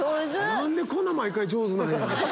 何でこんな毎回上手なんや。